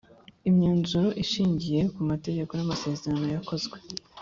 Imyanzuro ishingiye ku mategeko n’amasezerano yakozwe